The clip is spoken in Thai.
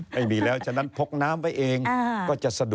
ไม่มีแล้วฉะนั้นพกน้ำไว้เองก็จะสะดวก